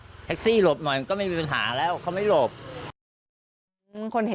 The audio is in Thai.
แต่แท็กซี่เขาก็บอกว่าแท็กซี่ควรจะถอยควรจะหลบหน่อยเพราะเก่งเทาเนี่ยเลยไปเต็มคันแล้ว